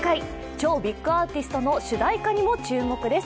超ビッグアーティストの主題歌にも注目です。